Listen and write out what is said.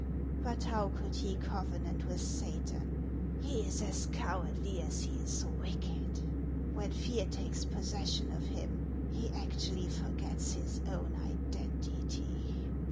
But how could he covenant with Satan ? He is as cowardly as he is wicked. When fear takes possession of him, he actually forgets his own identity."